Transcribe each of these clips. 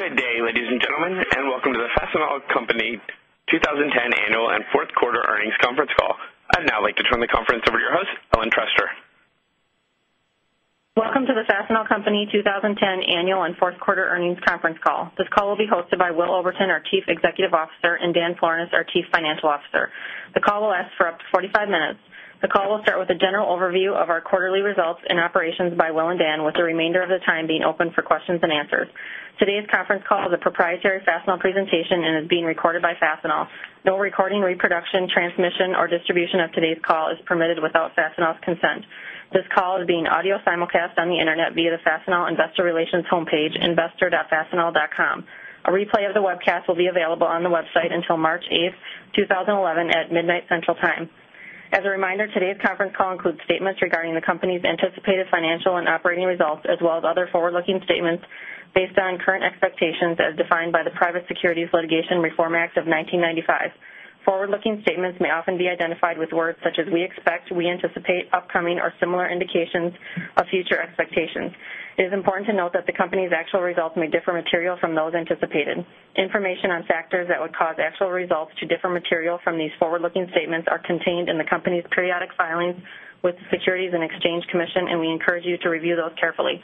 Good day, ladies and gentlemen, and welcome to the Fastenal Company 2010 Annual and 4th Quarter Earnings Conference Call. I'd now like to turn the conference over to your host, Ellen Treaster. Welcome to the Fastenal Company 2010 Annual and 4th Quarter Earnings Conference Call. This call will be hosted by Will Overton, our Chief Executive Officer and Dan Flores, our Chief Financial Officer. The call will last for up to 45 minutes. The call will start with a general overview of our quarterly results and operations by Will and Dan with the remainder of the time being open for questions and answers. Today's conference call is a proprietary Fastenal presentation and is being recorded by Fastenal. No recording, reproduction, transmission or distribution of today's call is permitted without Fastenal's consent. This call is being audio simulcast on the Internet via the Fastenal Investor Relations homepage, investor. Fastenal.com. A replay of the webcast will be available on the website until March 8, 2011 at midnight Central Time. As a reminder, today's conference call includes statements regarding the company's anticipated financial and operating results as well as other forward looking statements based on current expectations as defined by the Private Securities Litigation Reform Act of 1995. Forward looking statements may often be identified with words such as we expect, we anticipate, upcoming or similar indications of future expectations. It is important to note that the company's actual results may differ materially from those anticipated. Information on factors that would cause actual results to differ materially from these forward looking statements are contained in the company's periodic filings with the Securities and Exchange Commission, and we encourage you to review those carefully.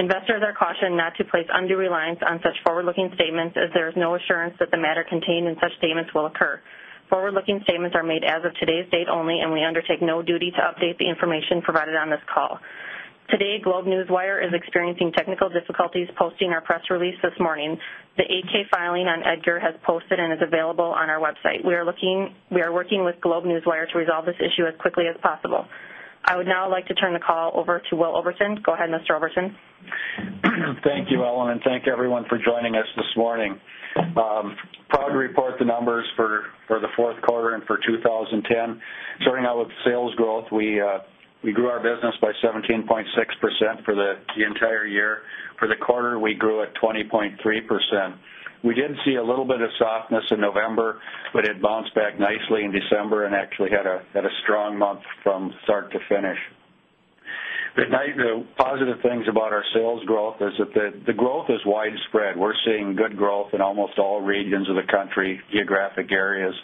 Investors are cautioned not to place undue reliance on such forward looking statements as there is no assurance that the matter contained in such statements will occur. Forward looking statements are made as of today's date only and we undertake no duty to update the information provided on this call. Today, GlobeNewswire is experiencing technical difficulties posting our press release this morning. The 8 ks filing on EDGAR has posted and is available on our website. We are working with GlobeNewswire to resolve this issue as quickly as possible. I would now like to turn the call over to Will Overton. Go ahead, Mr. Overton. Thank you, Ellen, and thank everyone for joining us this morning. Proud to report the numbers for the Q4 and for 2010. Starting out with sales growth, we grew our business by 17.6% for the entire year. For the quarter, we grew at 20.3%. We did see a little bit of softness in November, but it bounced back nicely in December and actually had a strong month from start to finish. The positive things about our sales growth is that the growth is widespread. We're seeing good growth in almost all regions of the country, geographic areas.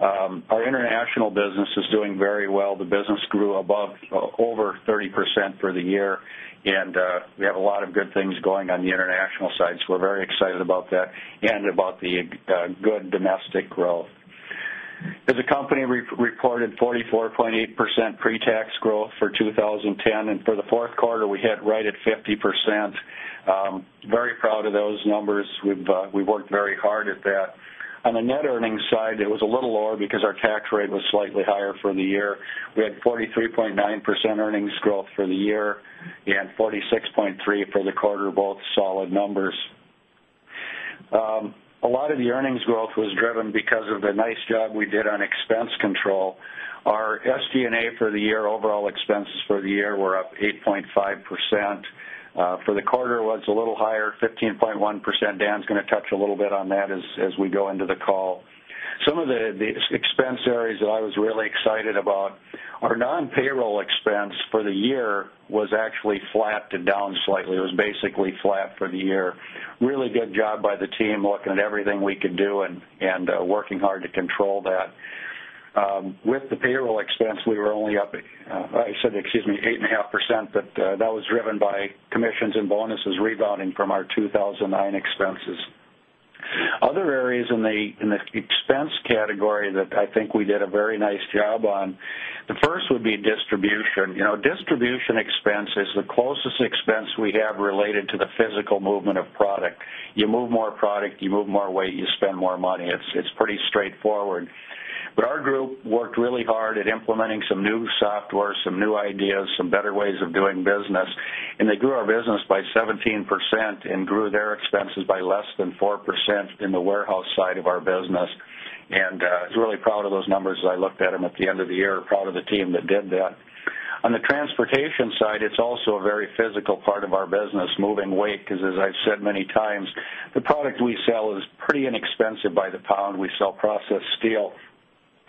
Our international business is doing very well. The business grew above over 30% for the year and we have a lot of good things going on the international side. So we're very excited about that and about the good domestic growth. As a company, we reported 44.8% pre tax growth for 2010 and for the Q4 we hit right at 50%. Very proud of those numbers. We worked very hard at that. On the net earnings side, it was a little lower because our tax rate was slightly higher for the year. We had 43.9% earnings growth for the year and 46.3 percent for the quarter, both solid numbers. A lot of the earnings growth was driven because of the nice job we did on expense control. Our SG and A for the year, overall expenses for the year were up 8.5%. For the quarter, it was a little higher, 15.1%. Dan is going to touch a little bit on that as we go into the call. Some of the expense areas that I was really excited about, our non payroll expense for the year was actually flat to down slightly. It was basically flat for the year. Really good job by the team, looking at everything we could do and working hard to control that. With the payroll expense, we were only up, I said excuse me 8.5%, but that was driven by commissions and bonuses rebounding from our 2,009 expenses. Other areas in the expense category that I think we did a very nice job on, the first would be distribution. Distribution expense is the closest expense we have related to the physical movement of product. You move more product, you move more weight, you spend more money. It's pretty straightforward. But our group worked really hard at implementing some new software, some new ideas, some better ways of doing business and they grew our business by 17% and grew their expenses by less than 4% in the warehouse side of our business and I was really proud of those numbers as I looked at them at the end of the year, proud of the team that did that. On the transportation side, it's also a very physical part of our business moving weight because as I've said many times, the product we sell is pretty inexpensive by the pound. We sell processed steel.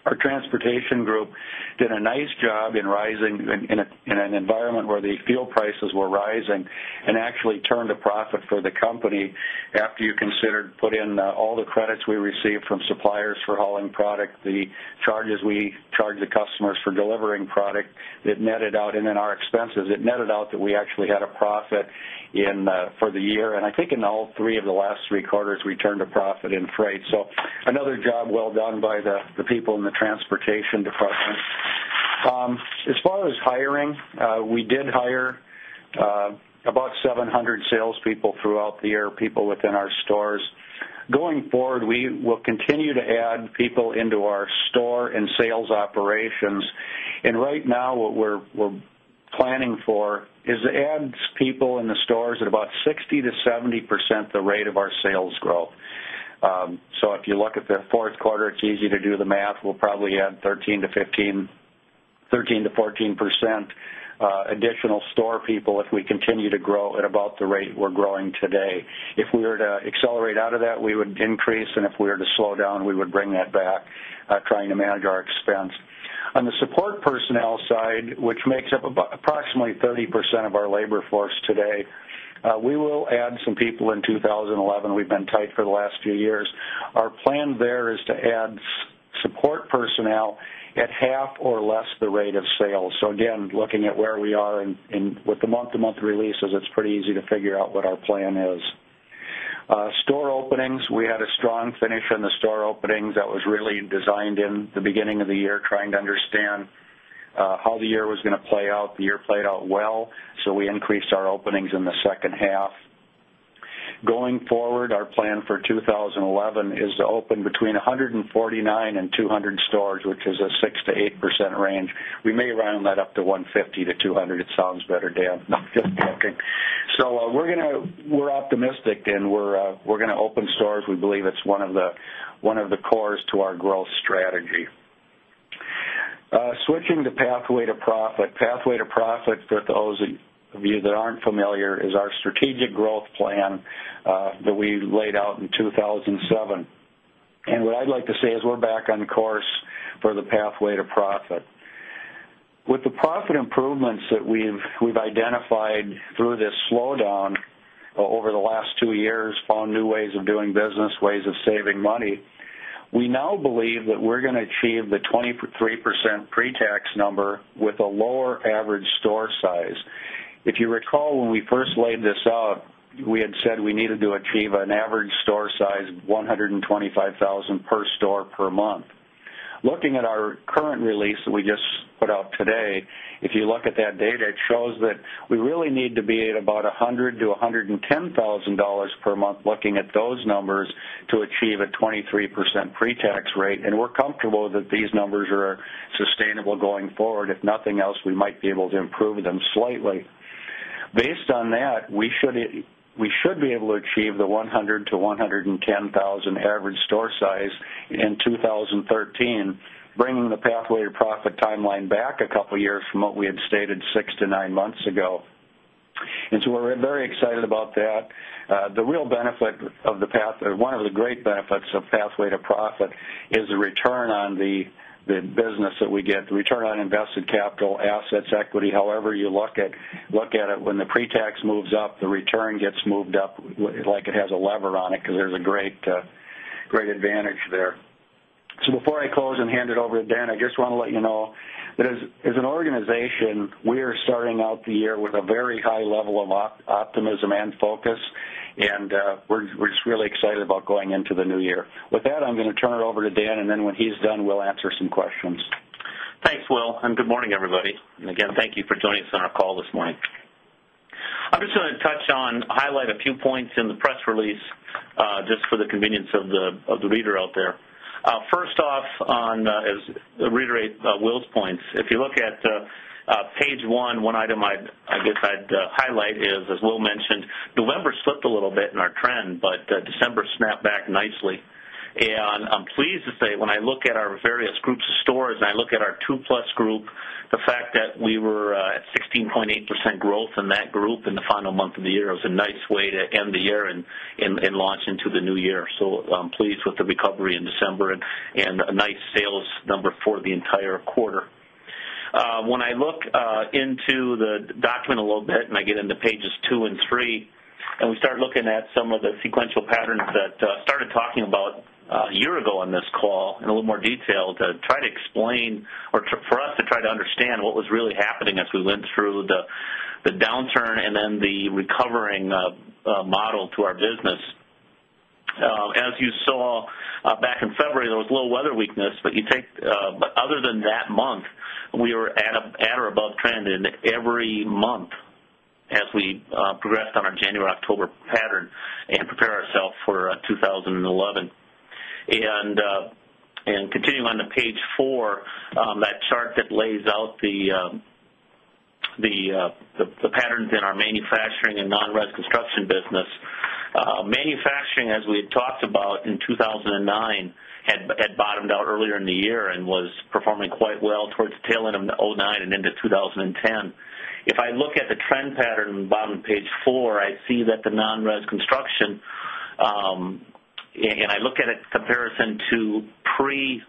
Our transportation group did a nice job in rising in an environment where the fuel prices were rising and actually turned a profit for the company after you considered put in all the credits we received from suppliers for hauling product, the charges we charge the customers for delivering product that netted out and then our expenses, it netted out that we actually had a profit netted out that we actually had a profit in for the year. And I think in all three of the last three quarters, we turned to profit in freight. So another job well done by the people in the transportation department. As far as hiring, we did hire about 700 salespeople throughout the year, people within our stores. Going forward, we will continue to add people into our store and sales operations. And right now, what we're planning for is to add people in the stores at about 60% to 70% the rate of our sales growth. So if you look at the Q4, it's easy to do the math. We'll probably add 13% to 15 percent to 14% additional store people if we continue to grow at about the rate we're growing today. If we were to accelerate out of that, we would increase and if we were to slow down, we would bring that back trying to manage our expense. On the support personnel side, which makes up approximately 30% of our labor force today, we will some people in 2011. We've been tight for the last few years. Our plan there is to add support personnel at half or less the rate of sales. So again, looking at where we are with the month to month releases, it's pretty easy to figure out what our plan is. Store openings, we had a strong finish in the store openings that was really designed in the beginning of the year trying to understand how the year was going to play out. The year played out well, so we increased our openings in the second half. Going forward, our plan for 2011 is to open between 149200 stores, which is a 6% to 8% range. We may round that up to 150 to 200. It sounds better, Dan. I'm not just joking. So we're going to we're optimistic and we're going to open stores. We believe it's one of the cores to our growth strategy. Switching to pathway to profit. Pathway to profit for those of you that aren't familiar is our strategic growth plan that we laid out in 2,007. And what I'd like to say is we're back on course for the pathway to profit. With the profit improvements that we've identified through this slowdown over the last 2 years found new ways of doing business, ways of saving money, we now believe that we're going to achieve the 23% pre tax number with a lower average store size. If you recall, when we first laid this out, we had said we needed to achieve an average store size of 125,000 per store per month. Looking at our current release that we just put out today, if you look at that data, it shows that we really need to be at about $100,000 to $110,000 per month looking at those numbers to achieve a 20 3% pre tax rate and we're comfortable that these numbers are sustainable going forward. If nothing else, we might be able to improve them slightly. Based on that, we should be able to achieve the 100,000 to 110,000 average store size in 2013, bringing the pathway to profit timeline back a couple of years from what we had stated 6 to 9 months ago. And so we're very excited about that. The real benefit of the path one of the great benefits of Pathway to Profit is the return on the business that we get, the return on invested capital, assets, equity, however you look at it. When the pre tax moves up, the return gets moved up like it has a lever on it because there's a great advantage there. So before I close and hand it over to Dan, I just want to let you know that as an organization, we are starting out the year with a very high level of optimism and focus and we're just really excited about going into the New Year. With that, I'm going to turn it over to Dan and then when he's done, we'll answer some questions. Thanks, Will, and good morning, everybody. And again, thank you for joining us on our call this morning. I'm just going to touch on highlight a few points in the press release just for the convenience of the reader out there. First off on reiterate Will's points, if you look at page 1, one item I guess I'd highlight is as Will mentioned, November slipped a little bit in our trend, but December snapped back nicely. And I'm pleased to say when I look at our various groups of stores and I look at our 2 plus group, the fact that we were at 16.8% growth in that group in the final month of the year was a nice way to end the year and launch into the new year. So I'm pleased with the recovery in December and a nice sales number for the entire quarter. When I look into the document a little bit and I get into pages 23, and we start looking at some of the sequential patterns that started talking about a year ago on this call in a little more detail to try to explain or for us to try to understand what was really happening as we went through the downturn and then the recovering model to our business. As you saw back in February, there was low weather weakness, but you take but other than that month, we were at or above trend in every month as we progressed on our January, October pattern and prepare ourselves for 2011. And continuing on to Page 4, that chart that lays out the patterns in our manufacturing and non res construction business. Manufacturing as we had talked about in 2,009 had bottomed out earlier in the year and was performing quite well towards tail end of 2009 and into 2010. If I look at the trend pattern on the bottom of page 4, I see that the non res construction and I look at it comparison to pre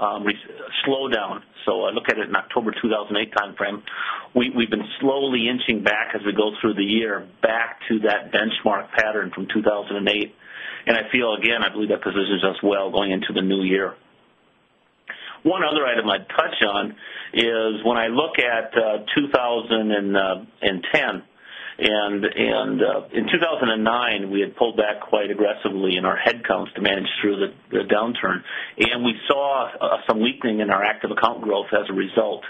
slowdown. So I look at it in October 2008 timeframe. We've been slowly inching back as we go through the year back to that benchmark pattern from 2,008. And I feel again, I believe that positions us well going into the New Year. One other item I'd touch on is when I look at 2010 and in 2,009, we had pulled back quite aggressively in our headcounts to manage through the downturn. And we saw some weakening in our active account growth as a result.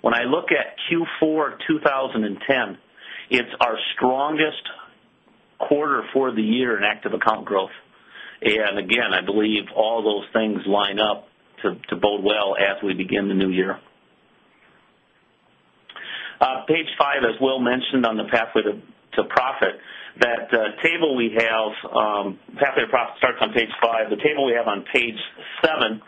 When I look at Q4 2010, it's our strongest quarter for the year in active account growth. And again, I believe all those things line up to bode well as we begin the New Year. Page 5, as Will mentioned on the pathway to profit, that table we have pathway to profit starts on page 5. The table we have on page 7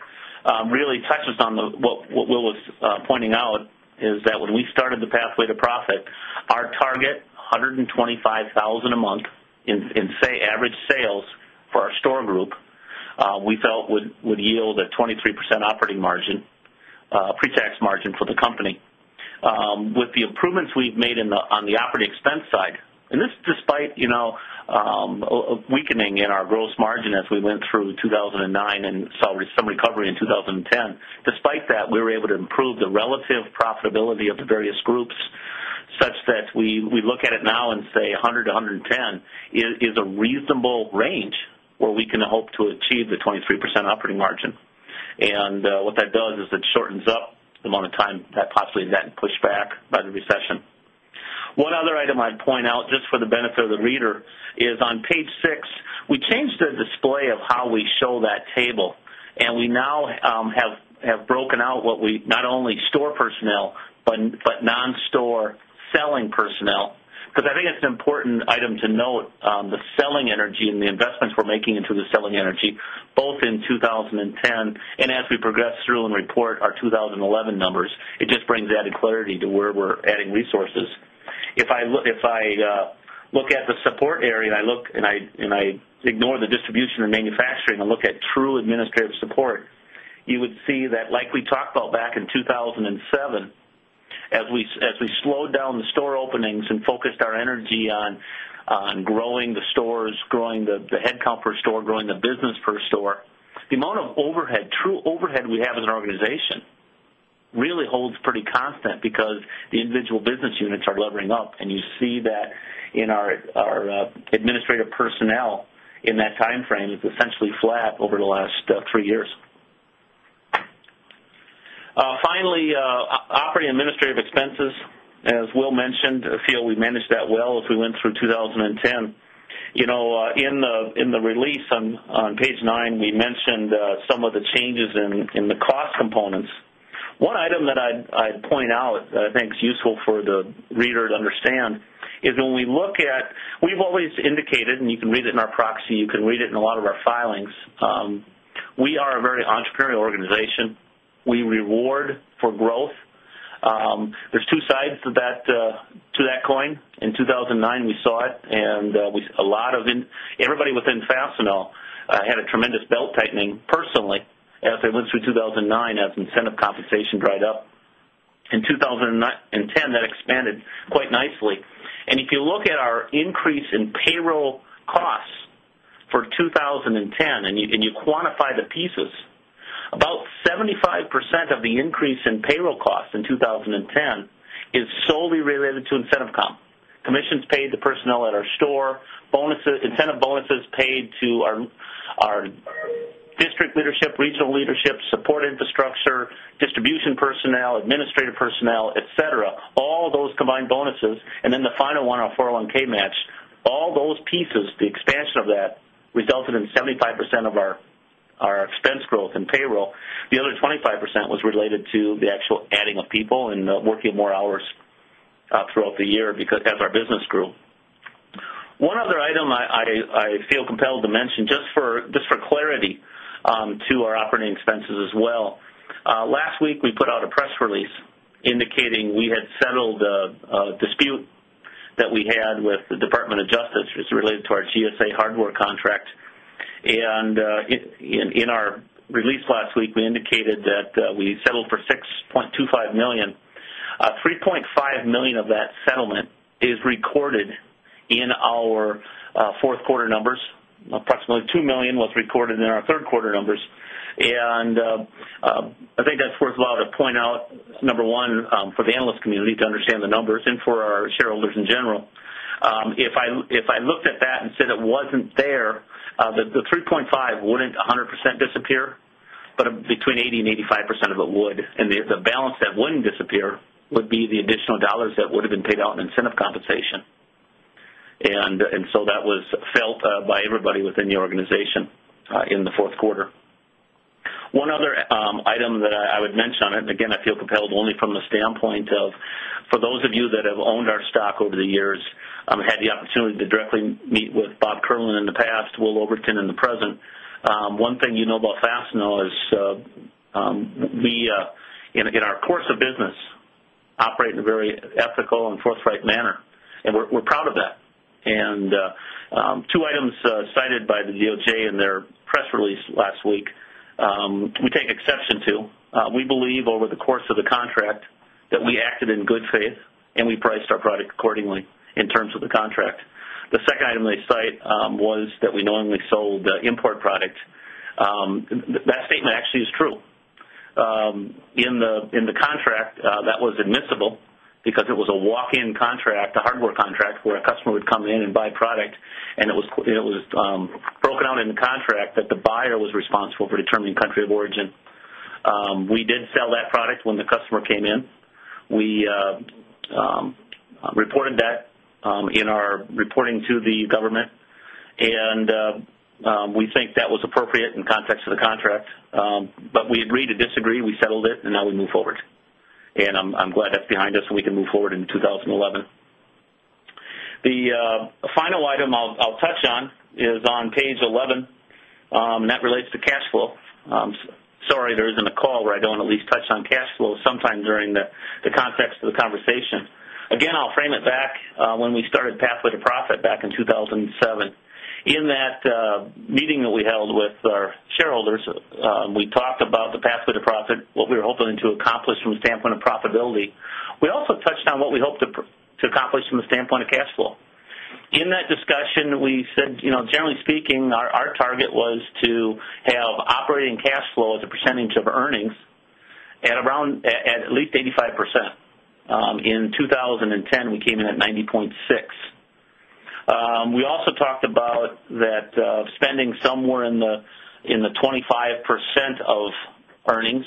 really touches on what Will was pointing out is that when we started the pathway to profit, our target $125,000 a month in say average sales for our store group, we felt would yield a 23% operating margin pre tax margin for the company. With the improvements we've made on the operating expense side and this despite weakening in our gross margin as we went through 2,009 and saw some recovery in 2010. Despite that, we were able to improve the relative profitability of the various groups such that we look at it now and say 100 to 110 is a reasonable range where we can hope to achieve the 23% operating margin. And what that does is it shortens up the amount of time that possibly is then pushed back by the recession. One other item I'd point out just for the benefit of the reader is on page 6, we changed the display of how we show that table. And we now have broken out what we not only store personnel, but non store selling personnel. Because I think it's an important item to note, the selling energy and the investments we're making into the selling energy, both in 2010 and as we progress through and report our 2011 numbers, it just brings added clarity to where we're adding resources. If I look at the support area and I look and I ignore the distribution and manufacturing and look at true administrative support, you would see that like we talked about back in 2007, as we slowed down the store openings and focused our energy on growing the stores, growing the headcount per store, growing the business per store, the amount of overhead, true overhead we have as an organization really holds pretty constant because the individual business units are levering up. And you see that in our administrative personnel in that time frame is essentially flat over the last 3 years. Finally, operating administrative expenses, as Will mentioned, I feel we managed that well as we went through 2010. In the release on page 9, we mentioned some of the changes in the cost components. One item that I'd point out that I think is useful for the reader to understand is when we look at we've always indicated and you can read it in our proxy, you can read it in a lot of our filings. We are a very entrepreneurial organization. We reward for growth. There's two sides to that coin. In 2,009, we saw it and a lot of everybody within Fastenal had a tremendous belt tightening personally as they went through 2,009 as incentive compensation dried up. In 2010 that expanded quite nicely. And if you look at our increase in payroll costs for 2010 and you quantify the pieces, about 75% of the increase in payroll costs in 2010 is solely related to incentive comp. Commissions paid to personnel at our store, bonuses incentive bonuses paid to our district leadership, regional leadership, support infrastructure, distribution personnel, administrative personnel, etcetera, all those combined bonuses. And then the final one, our 401 match, all those pieces, the expansion of that resulted in 75% of our expense growth in payroll. The other 25% was related to the actual adding of people and working more hours throughout the year because as our business grew. One other item I feel compelled to mention just for clarity to our operating expenses as well. Last week, we put out a press release indicating we had settled a dispute that we had with the Department of Justice, which is related to our GSA hardware contract. And in our release last week, we indicated that we settled for 6,250,000 dollars 3,500,000 of that settlement is recorded in our 4th quarter numbers, Approximately $2,000,000 was recorded in our 3rd quarter numbers. And I think that's worthwhile to point out number 1 for the analyst community to understand the numbers and for our shareholders in general. If I looked at that and said it wasn't there, the 3.5% wouldn't 100% disappear, but between 80% 85% of it would. And the balance that wouldn't disappear would be the additional dollars that would have been paid out in incentive compensation. And so that was felt by everybody within the organization in the 4th quarter. One other item that I would mention and again I feel compelled only from the standpoint of for those of you that have owned our stock over the years had the opportunity to directly meet with Bob Kirlin in the past, Will Overton in the present. One thing you know about Fastenal is we and again our course of business operate in a very ethical and forthright manner and we're proud of that. And 2 items cited by the DOJ in their press release last week, we take exception to. We believe over the course of the contract that we acted in good faith and we priced our product accordingly in terms of the contract. The second item they cite was that we normally sold import product. That statement actually is true. In the contract that was admissible because it was a walk in contract, a hardware contract where a customer would come in and buy product and it was broken out in the contract that the buyer was responsible for determining country of origin. We did sell that product when the customer came in. We reported that in our reporting to the government And we think that was appropriate in context of the contract. But we agreed to disagree. We settled it and now we move forward. And I'm glad that's behind us so we can move forward in 2011. The final item I'll touch on is on page 11 and that relates to cash flow. Sorry there isn't a call where I don't at least touch on cash flow sometime during the context of the conversation. Again, I'll frame it back when we started Pathway to Profit back in 2007. In that meeting that we held with our shareholders, we talked about the pathway to profit, what we were hoping to accomplish from the standpoint of profitability. We also touched on what we hope to accomplish from the standpoint of cash flow. In that discussion, we said, generally speaking, our target was to have operating cash flow as a percentage of earnings at around at least 85%. In 2010, we came in at 90.6%. Percent. We also talked about that spending somewhere in the 25% of earnings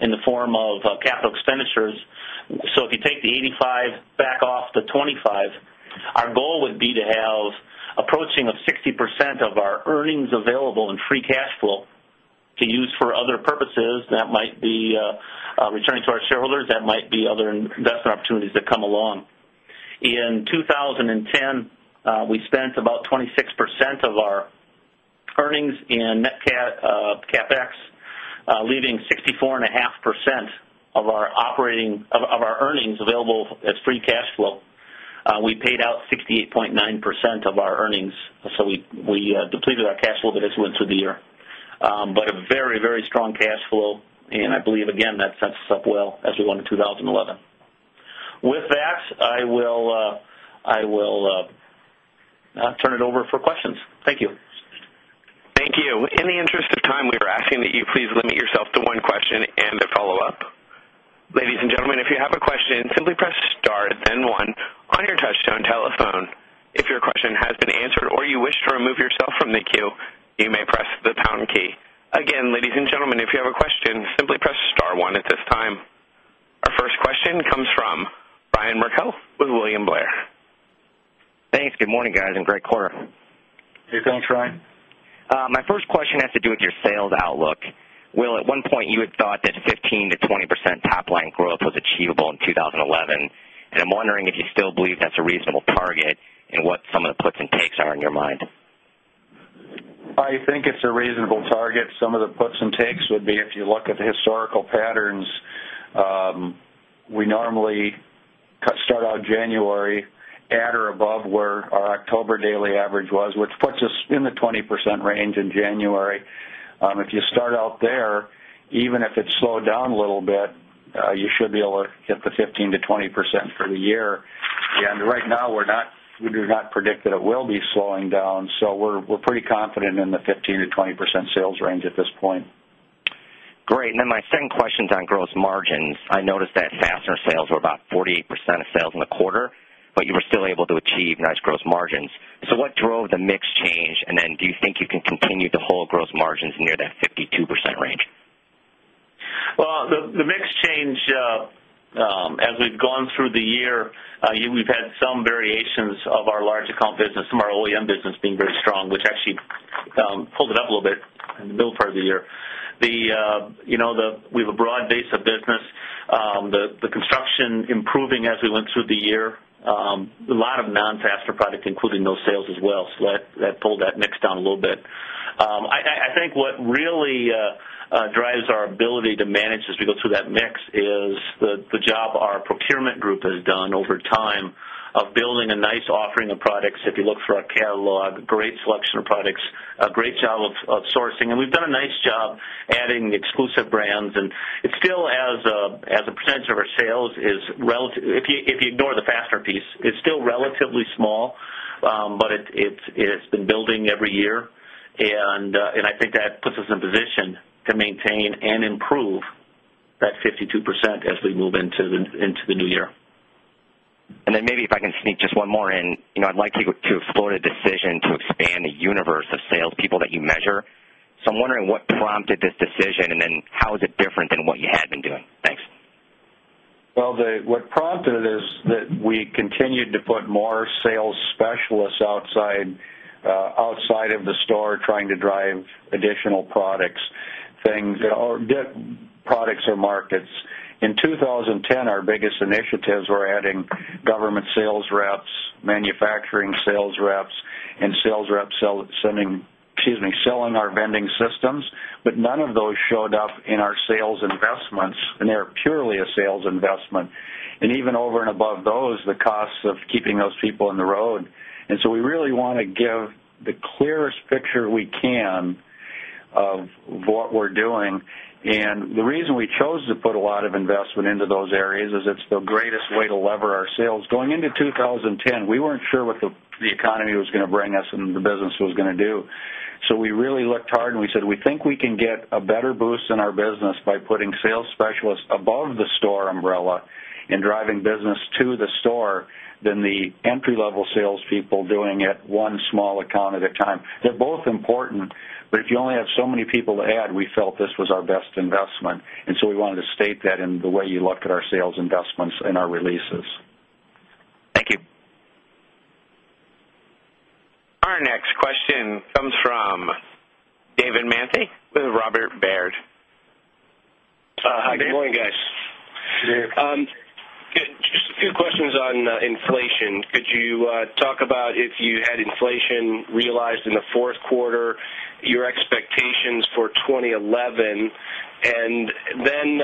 in the form of capital expenditures. So if you take the 85% back off the 25%, our goal would be to have approaching of 60% of our earnings available and free cash flow to use for other purposes that might be returning to our shareholders that might be other investment opportunities that come along. In 2010, we spent about 26% of our earnings in net CapEx, leaving 64.5% of our operating of our earnings available as free cash flow. We paid out 68.9 percent of our earnings. So we depleted our cash flow, but as we went through the year. But a very, very strong cash flow And I believe again that sets us up well as we went to 2011. With that, I will turn it over for questions. Thank you. Thank you. In the interest of time, we are asking that you please limit yourself to one question and a follow-up. Our first question comes from Brian Merkel with William Blair. Thanks. Good morning, guys, and great quarter. How are you doing, Brian? My first question has to do with your sales outlook. Will, at one point you had thought that 15% to 20% top line growth was achievable in 2011. And I'm wondering if you still believe that's a reasonable target and what some of the puts and takes are in your mind? I think it's a reasonable target. Some of the puts and takes would be if you look at the historical patterns, we normally start out January atorabovewhereourOctober daily average was, which puts us in the 20% range in January. If you start out there, even if it slowed down a little bit, you should be able to hit the 15% to 20% for the year. And right now, we're not we do not predict that it will be slowing down. So we're pretty confident in the 15% to 20 percent sales range at this point. Great. And then my second question is on gross margins. I noticed that fastener sales were about 48% of sales in the quarter, but you were still able to achieve nice gross margins. So what drove the mix change? And then do you think you can continue to hold gross margins near that 52% range? Well, the mix change as we've gone through the year, we've had some variations of our large account business from our OEM business being very strong, which actually pulled it up a little bit in the middle part of the year. We have a broad base of business. The construction improving as we went through the year. A lot of non faster products including those sales as well. So that pulled that mix down a little bit. I think what really drives our ability to manage as we go through that mix is the job our procurement group has done over time of building a nice offering of products. If you look for our catalog, great selection of products, a great job of sourcing. And we've done a nice job adding exclusive brands and it still has a percentage of our sales is relative if you ignore the fastener piece, it's still relatively small, but it's been building every year. And I think that puts us in a position to maintain and improve that 52% as we move into the new year. And then maybe if I can sneak just one more in. I'd like to explore the decision to expand the universe of salespeople that you measure. So I'm wondering what prompted this decision and then how is it different than what you had been doing? Thanks. Well, what prompted it is that we continued to put more sales specialists outside of the store trying to drive additional products, things that are debt products or markets. In 2010, our biggest initiatives were adding government sales reps, manufacturing sales reps and sales reps selling our vending systems, but none of those showed up in our sales the clearest picture we can of what the clearest picture we can of what we're doing. And the reason we chose to put a lot of investment into those areas is it's the greatest way to lever our sales. Going into 2010, we weren't sure what the economy was going to bring us and the business was going to do. So we really looked hard and we said we think we can get a better boost in our business by putting sales specialists above the store umbrella and driving business to the store than the entry level salespeople doing it one small account at a time. They're both important, but if you only have so many people to add, we felt this was our best investment. So we wanted to state that in the way you look at our sales investments in our releases. Thank you. Our next question comes from David Manthey with Robert Baird. Hi, good morning guys. Good morning. Just a few questions on inflation. Could you talk about if you had inflation realized in the Q4, your expectations for 2011? And then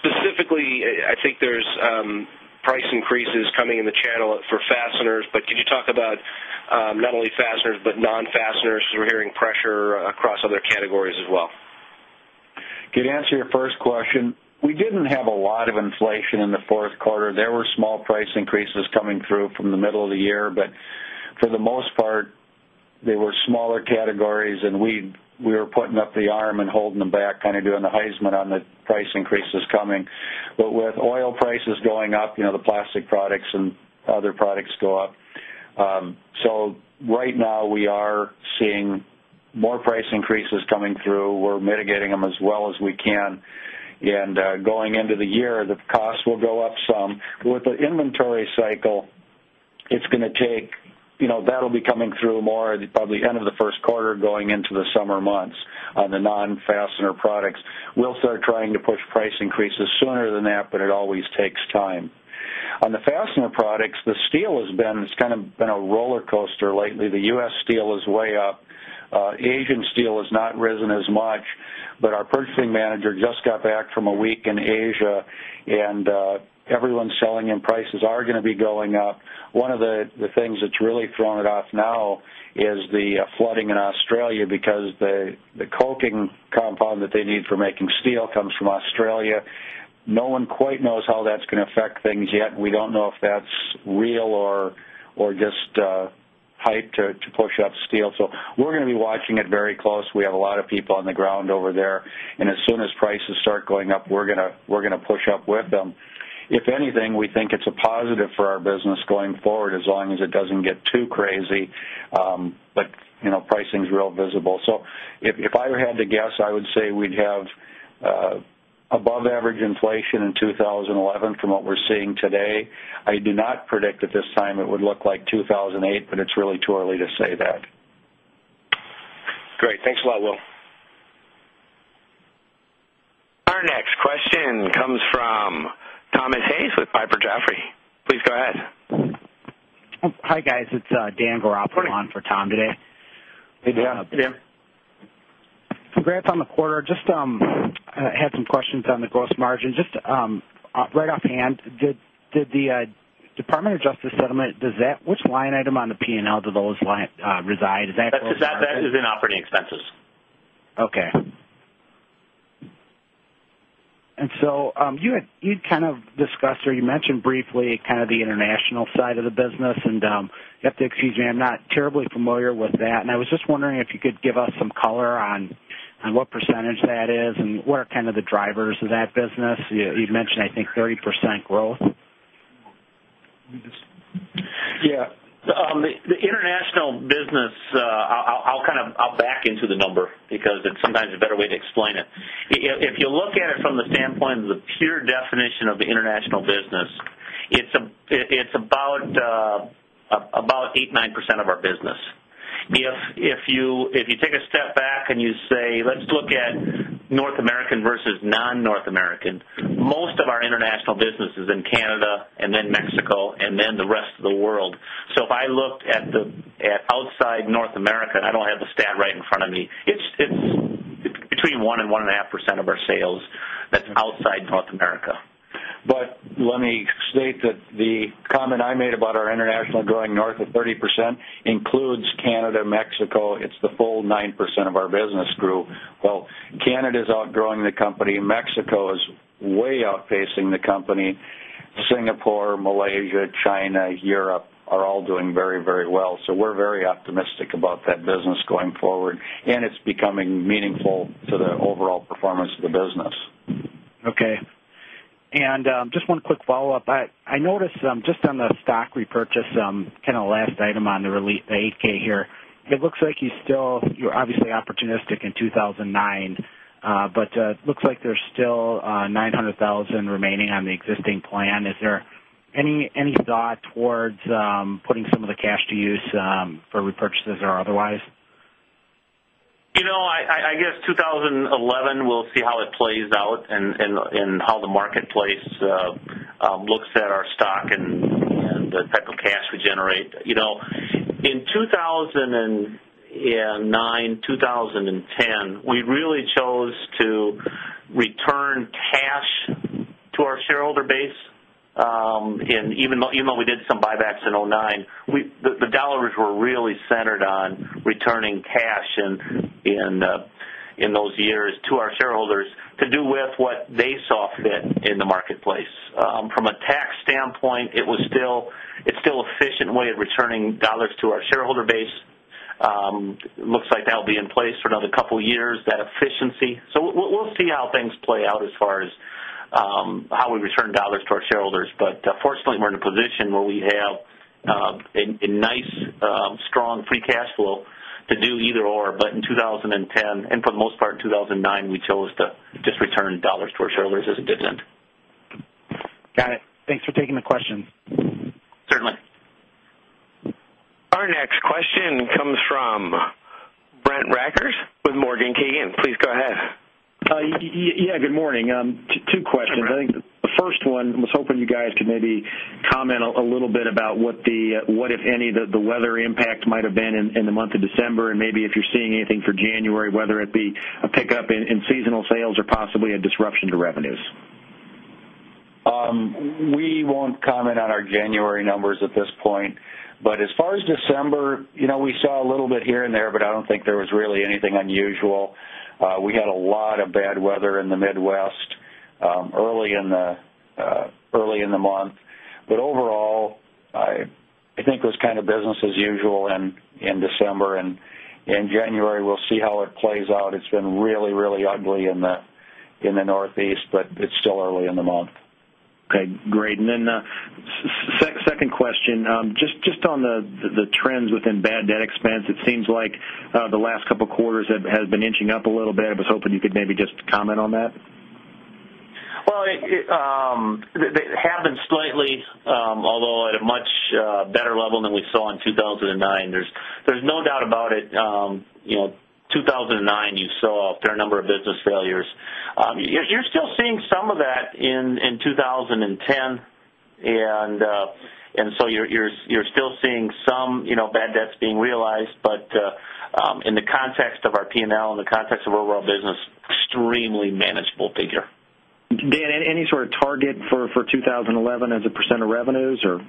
specifically, I think there's price increases coming in the channel for fasteners. But could you talk about not only fasteners but non fasteners, we're hearing pressure across other categories as well? To answer your first question, we didn't have a lot of inflation in the Q4. There were small price increases coming through from the middle of the year. But for the most part, they were smaller categories and we were putting up the arm and holding them back kind of doing the Heisman on the price increases coming. But with oil prices going up, the plastic products and other products go up. So right now, we are seeing more price increases coming through. We're mitigating them as well as we can. And going into the year, the cost will go up some. With the inventory cycle, it's going to take that will be coming through more probably end of Q1 going into the summer months on the non fastener products. We'll start trying to push price increases sooner than that, but it always takes time. On the fastener products, the steel has been it's kind of been a roller coaster lately. The U. S. Steel is way up. Asian steel has not risen as much, but our purchasing manager just got back from a week in Asia and everyone's selling and prices are going to be going up. One of the things that's really thrown it off now is the flooding in Australia because the coking compound that they need for making steel comes from Australia. No one quite knows how that's going to affect things yet. We don't know if that's real or just high to push up steel. So we're going to be watching it very close. We have a lot of people on the ground over there. And as soon as prices start going up, we're going to push up with them. If anything, we think it's a positive for our business going forward as long as it doesn't get too crazy, but pricing is real visible. So if I were to have to guess, I would say we'd have above average inflation in 2011 from what we're seeing today. I do not predict at this time it would look like 2,008, but it's really too early to say that. Great. Thanks a lot, Will. Our next question comes from Thomas Hayes with Piper Jaffray. Please go ahead. Hi, guys. It's Dan Goroff on for Tom today. Congrats on the quarter. Just had some questions on the gross margin. Just right off hand, did the Department of Justice settlement, does that which line item on the P and L do those reside? That is in operating expenses. Okay. So you had kind of discussed or you mentioned briefly kind of the international side of the business and you have to excuse me, I'm not terribly familiar with that. And I was just wondering if you could give us some color on what percentage that is and what are kind of the drivers of that business? You've mentioned I think 30% growth. Yes. The international business, I'll kind of I'll back into the number because it's sometimes a better way to explain it. If you look at it from the standpoint of the pure definition of the international business, it's about 8%, 9% of our business. If you take a step back and you say, let's look at North American versus non North American, Most of our international business is in Canada and then Mexico and then the rest of the world. So if I looked at outside North America, I don't have the stat right in front of me, it's between 1% and 1.5% of our sales that's outside North America. But let me state that the comment I made about our international growing north of 30% includes Canada, Mexico is way outpacing the company. Singapore, Malaysia, China, Europe are all doing very, very well. So we're very optimistic about that business going forward and it's becoming meaningful to the overall performance of the business. Okay. And just one quick follow-up. I noticed just on the stock repurchase kind of last item on the 8 ks here. It looks like you still you're obviously opportunistic in 2,009, but it looks like there's still $900,000 remaining on the existing plan. Is there any thought towards putting some of the cash to use for repurchases or otherwise? I guess 2011 we'll see how it plays out and how the marketplace looks at our stock and the type of cash we generate. In 2,009, 2010, we really chose to return cash to our shareholder base. And even though we did some buybacks in 2009, we the dollars were really centered on returning cash in those years to our shareholders to do with what they saw fit in the marketplace. From a tax standpoint, it was still it's still efficient way of returning dollars to our shareholder base. It looks like that will be in place for another couple of years, that efficiency. So we'll see how things play out as far as how we return dollars to our shareholders. But fortunately, we're in a position where we have a nice strong free cash flow to do either or. But in 2010 and for the most part in 2,009, we chose to just return dollars to our shareholders as a dividend. Got it. Thanks for taking the questions. Certainly. Our next question comes from Brent Rackers with Morgan Kagan. Please go ahead. Yes, good morning. Two questions. I think the first one, I was hoping you guys could maybe comment a little bit about what if any the weather impact might have been in the month of December and maybe if you're seeing anything for January, whether it be a pickup in seasonal sales or possibly a disruption to revenues? We won't comment on our January numbers at this point. But as far as December, we saw a little bit here and there, but I don't think there was really anything unusual. We had a lot of bad weather in the Midwest early in the month. But overall, I think this kind of business as usual in December and in January, we'll see how it plays out. It's been really, really ugly in the Northeast, but it's still early in the month. Okay, great. And then second question, just on the trends within bad debt expense, it seems like the last couple of quarters has been inching up a little bit. I was hoping you could maybe just comment on that? Well, it happened slightly, although at a much better level than we saw in 2,009. There's no doubt about it. 2,009 you saw a fair number of business failures. You're still seeing some of that in 2010. And so you're still seeing some bad debts being realized. But in the context of our P and L, in the context of our rural business, extremely manageable figure. Dan, any sort of target for 2011 as a percent of revenues or?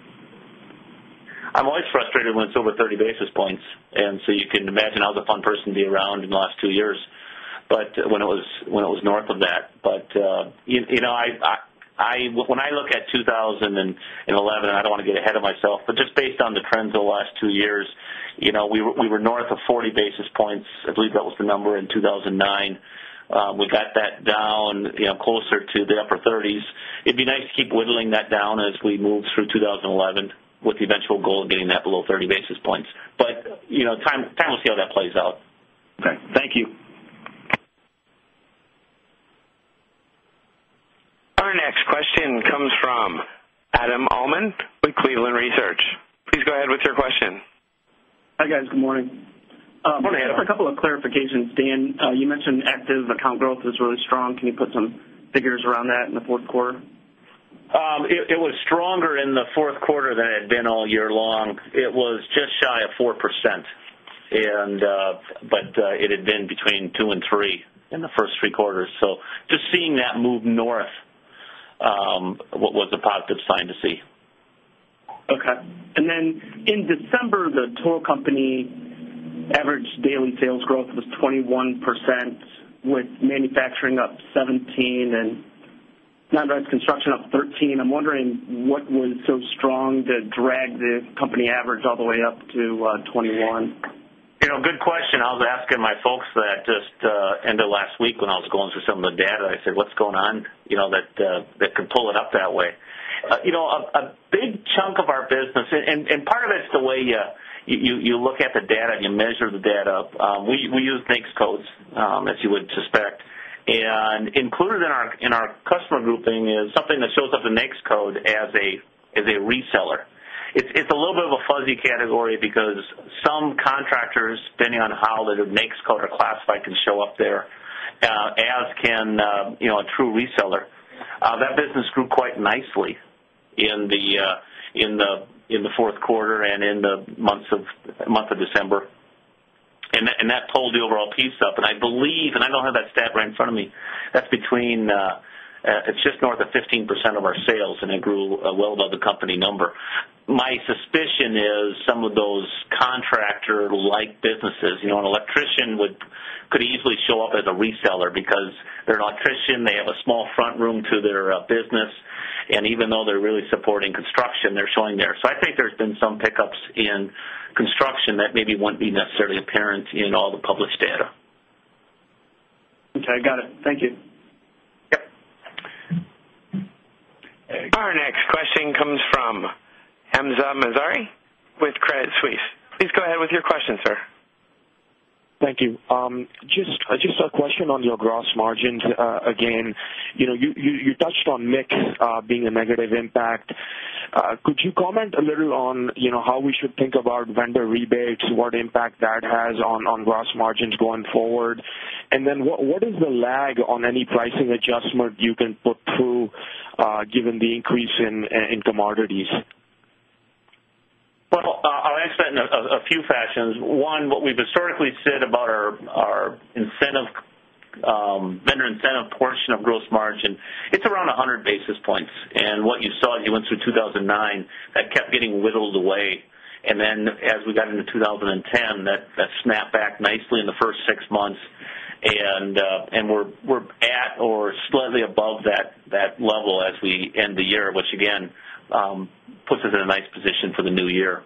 I'm always frustrated when it's over 30 basis points. And so you can imagine how the fun person to be around in the last 2 years, but when it was north of that. But I when I look at 2011, I don't want to get ahead of myself, but just based on the trends over the last 2 years, we were north of 40 basis points. I believe that was the number in 2,009. We got that down closer to the upper 30s. It'd be nice to keep whittling that down as we move through 2011 with the eventual goal of getting that below 30 basis points. But time will see how that plays out. Okay. Thank you. Our next question comes from Adam Uhlman with Cleveland Research. Please go ahead with your question. Hi, guys. Good morning. Good morning, Dan. Just a couple of clarifications, Dan. You mentioned active account growth was really strong. Can you put some figures around that in the 4th quarter? It was stronger in the Q4 than it had been all year long. It was just shy of 4%. And but it had been between 2% and 3% in the 1st 3 quarters. So just seeing that move north, what was the positive sign to see. Okay. And then in December, the total company average daily sales growth was 21% with manufacturing up 17% and non branded construction up 13%. I'm wondering what was so strong to drag the company average all the way up to 21? Good question. I was asking my folks that just end of last week when I was going through some of the data, I said what's going on that could pull it up that way. A big chunk of our business and part of it is the way you look at the data and you measure the data. We use NAICS codes as you would suspect. And included in our customer grouping is something that shows up in NAICS code as a reseller. It's a little bit of a fuzzy category because some contractors depending on how the NAICS code are classified can show up there as can a true reseller. That business grew quite nicely in the Q4 and in the month of December. And that pulled the overall piece up. And I believe and I don't have that stat right in front of me. That's between it's just north of 15% of our sales and it grew well above the company number. My suspicion is some of those contractor like businesses, an electrician would could easily show up as a reseller because they're an electrician, they have a small front room to their business. And even though they're really supporting construction, they're showing there. So I think there's been some pickups in construction that maybe won't be necessarily apparent in all the published data. Okay. Got it. Thank you. Yes. Our next question comes from Hamzah Mazari with Credit Suisse. Please go ahead with your question, sir. Thank you. Just a question on your gross margins, again. You touched on mix being a negative impact. Could you comment a little on how we should think about vendor rebates? What impact that has on gross margins going forward? And then what is the lag on any pricing adjustment you can put through given the increase in commodities? Well, I'll explain in a few fashions. One, what we've historically said about our incentive vendor incentive portion of gross margin, it's around 100 basis points. And what you saw as you went through 2,009 that kept getting whittled away. And then as we got into 2010 that snapped back nicely in the 1st 6 months. And we're at or slightly above that level as we end the year, which again puts us in a nice position for the new year.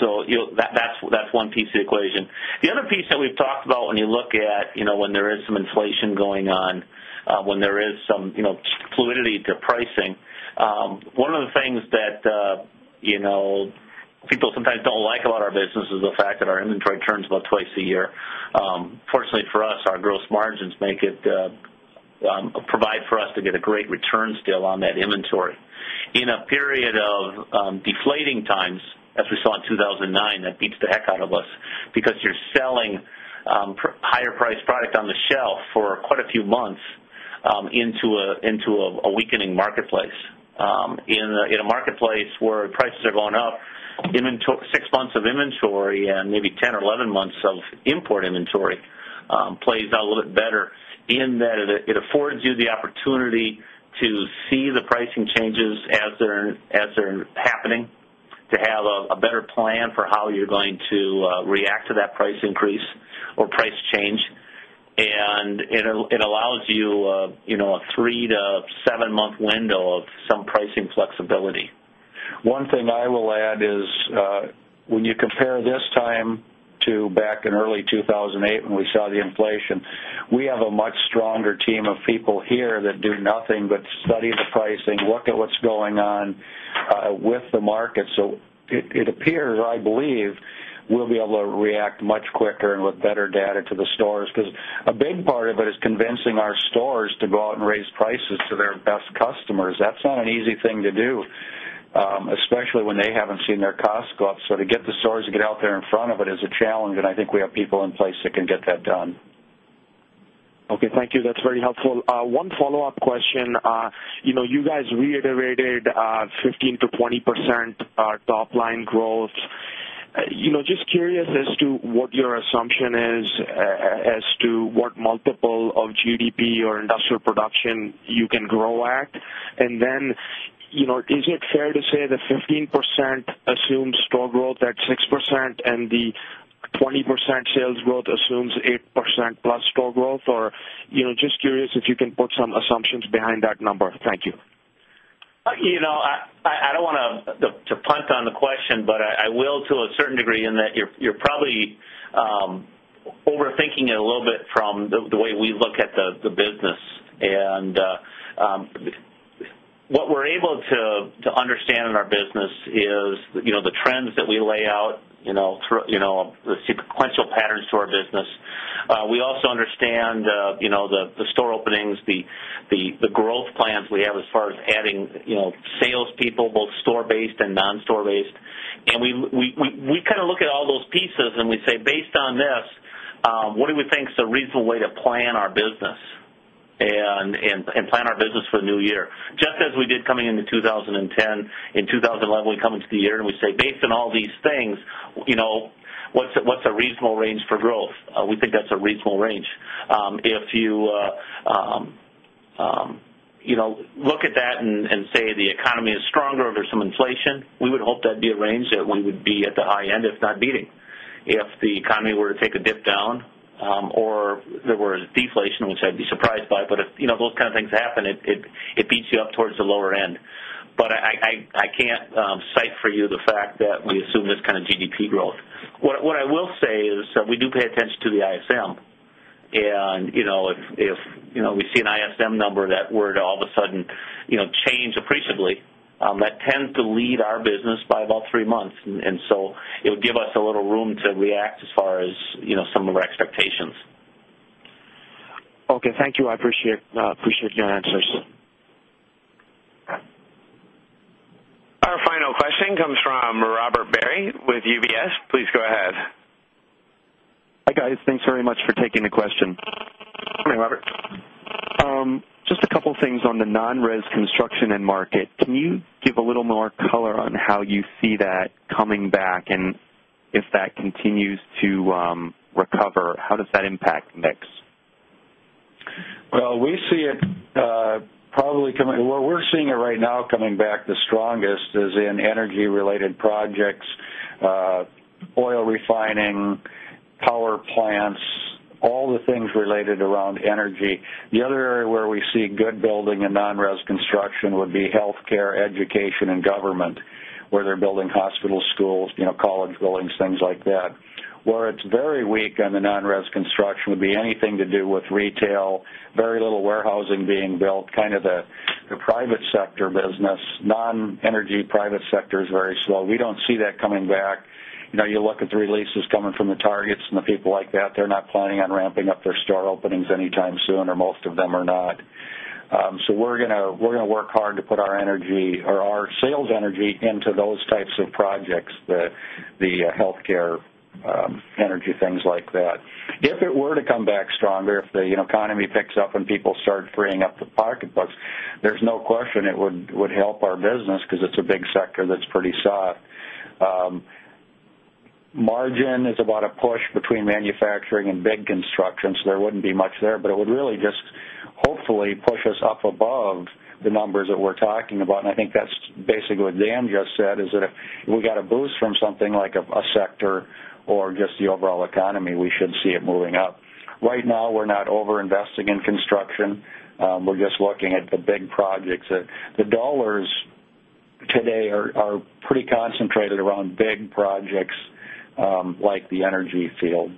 So that's one piece of the equation. The other piece that we've talked about when you look at when there is some inflation going on, when there is some fluidity to pricing, One of the things that people sometimes don't like about our business is the fact that our inventory turns about twice a year. Fortunately for us, our gross margins make it provide for us to get a great return still on that inventory. In a period of deflating times, as we saw in 2,009, that beats the heck out of us, because you're selling higher priced product on the shelf for quite a few months into a weakening marketplace. In a marketplace where prices are going up, 6 months of inventory and maybe 10 or 11 months of import inventory plays out a little bit better in that it affords you the opportunity to see the pricing changes as they're happening to have a better plan for how you're going to react to that price increase or price change. And it allows you a 3 to 7 month window of some pricing flexibility. One thing I will add is when you compare this time to back in early 2008 when we saw the inflation, we have a much stronger team of people here that do nothing but study the pricing, look at what's going on with the market. So it appears I believe we'll be able to react much quicker and with better data to the stores because a big part of it is convincing our stores to go out and raise prices to their best customers. That's not an easy thing to do, especially when they haven't seen their costs go up. So to get the stores to get out there in front of it is a challenge and I think we have people in place that can get that done. Okay. Thank you. That's very helpful. One follow-up question. You guys reiterated 15% to 20% top line growth. Just curious as to what your assumption is as to what multiple of GDP or industrial production you can grow at? And then is it fair to say that 15% assumes store growth at 6% and the 20% sales growth assumes 8% plus store growth? Or just curious if you can put some assumptions behind that number. Thank you. I don't want to punt on the question, but I will to a certain degree in that you're probably overthinking it a little bit from the way we look at the business. And what we're able to understand in our business is the trends that we lay out through the sequential patterns to our business. We also understand the store openings, the growth plans we have as far as adding salespeople both store based and non store based. And we kind of look at all those pieces and we say based on this, what do we think is a reasonable way to plan our business and plan our business for the New Year? Just as we did coming into 2010, in 2011 we come into the year and we say based on all these things, what's a reasonable range for growth? We think that's a reasonable range. If you look at that and say the economy is stronger, there's some inflation, we would hope that'd be a range that we would be at the high end, if not beating. If the economy were to take a dip down or there were deflation, which I'd be surprised by, but those kind of things happen, it beats you up towards the lower end. But I can't cite for you the fact that we assume this kind of GDP growth. What I will say is that we do pay attention to the ISM. And if we see an ISM number that were to all of a sudden change appreciably, that tends to lead our business by about 3 months. And so it would give us a little room to react as far as some of our expectations. Okay. Thank you. I appreciate your answers. Our final question comes from Robert Barry with UBS. Please go ahead. Hi, guys. Thanks very much for taking the question. Good morning, Robert. Just a couple of things on the non res construction end market. Can you give a little more color on how you see that coming back? And if that continues to recover, how does that impact mix? Well, we see it probably coming what we're seeing right now coming back the strongest is in energy related projects, oil refining, power plants, all the things related around energy. The other area where we see good building and non res construction and non res construction would be healthcare, education and government, where they're building hospitals, schools, college buildings, things like that. Where it's very weak on the non res construction would be anything to do with retail, very little warehousing being built, kind of the private sector business, non energy private sector is very slow. We don't see that coming back. You look at the release is coming from the targets and the people like that. They're not planning on ramping up their store openings anytime soon or most of them are not. So we're going to work hard to put our energy or our sales energy into those types of projects, the healthcare energy things like that. If it were to come back stronger, if the economy picks up and people start freeing up the pocketbooks, There's no question it would help our business because it's a big sector that's pretty soft. Margin is about a push between manufacturing and big constructions, there wouldn't be much there, but it would really just hopefully push us up above the numbers that we're talking about. And I think that's basically what Dan just said is that if we got a boost from something like a sector or just the overall economy, we should see it moving up. Right now, we're not over investing in construction. We're just looking at the big projects. The dollars today are pretty concentrated around big projects like the energy field.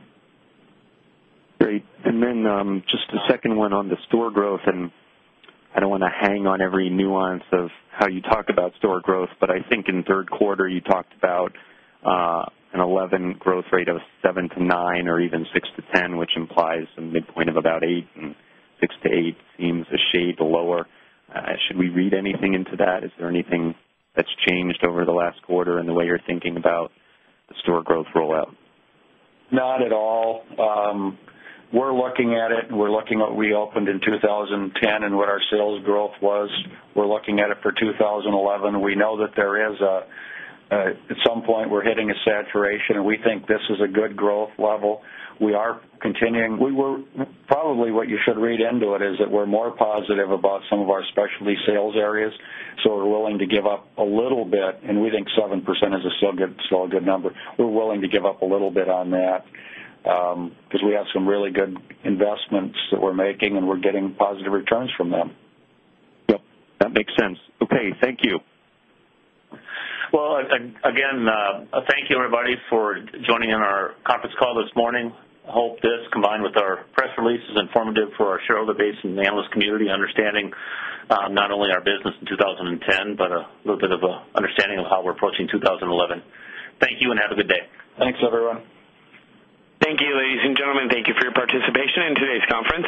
Great. And then just a second one on the store growth and I don't want to hang on every nuance of how you talk about store growth, but I think in 3rd quarter you talked about an 11% growth rate of 7% to 9% or even 6% to 10%, which implies a midpoint of about 8% and 6% to 8% seems a shade lower. Should we read anything into that? Is there anything that's changed over the last quarter and the way you're thinking about the store growth rollout? Not at all. We're looking at it and we're looking at what we opened in 2010 and what our sales growth was. We're looking at it for 2011. We know that there is a at some point we're hitting a saturation and we think this is a good growth level. We are continuing we were probably what you should read into it is that we're more positive about some of our specialty sales areas. So we're willing to give up a little bit and we think 7% is still a good number. We're willing to give up a little bit on that because we have some really good investments that we're making and we're getting positive returns from them. Yes. That makes sense. Okay. Thank you. Well, again, thank you everybody for joining in our conference call this morning. I hope this combined with our press release is informative for our shareholder base and the analyst community understanding not only our business in 2010, but a little bit of understanding of how we're approaching 2011. Thank you and have a good day. Thanks everyone. Thank you. Ladies and gentlemen, thank you for your participation in today's conference.